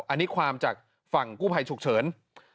อันนี้ความจากฝั่งกู้ภัยฉุกเฉิน